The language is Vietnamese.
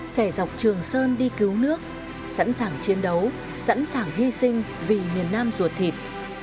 sẻ dọc trường sơn đi cứu nước sẵn sàng chiến đấu sẵn sàng hy sinh vì miền nam ruột thịt